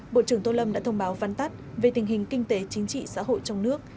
bộ trưởng tô lâm đã thông báo văn tắt về tình hình kinh tế chính trị xã hội trong nước